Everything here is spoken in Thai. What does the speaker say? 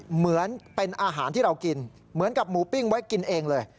เหมือนเป็นอาหารที่เรากินเหมือนกับหมูปิ้งไว้กินเองเลย